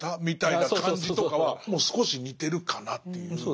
みたいな感じとかは少し似てるかなっていう。